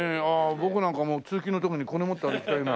僕なんか通勤の時にこれ持って歩きたいな。